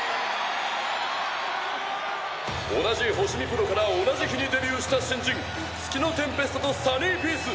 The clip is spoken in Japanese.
同じ星見プロから同じ日にデビューし月のテンペストとサニーピース。